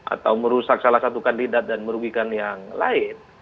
atau merusak salah satu kandidat dan merugikan yang lain